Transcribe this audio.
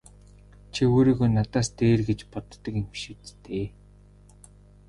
Чи өөрийгөө надаас дээр гэж боддог юм биш биз дээ!